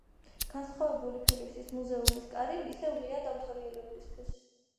განახლებული ფილიპსის მუზეუმის კარი ისევ ღიაა დამთვალიერებლებისთვის.